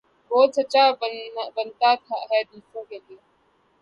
بہت سچا بنتا ھے دوسروں کے لئے